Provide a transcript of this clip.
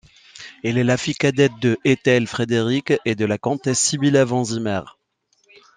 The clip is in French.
Elle est la fille cadette de Eitel-Frédéric et de la comtesse Sibilla von Zimmern.